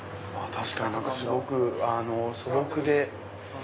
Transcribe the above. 確かにすごく素朴で。